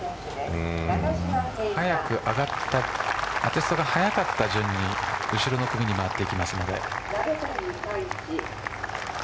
上がったのが早かった順に後ろの組に回っておきますので。